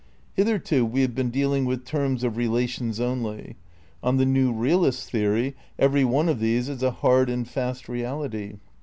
Hitherto we have been dealing with terms of rela tions only; on the new realist theory every one of these is a hard and fast reality.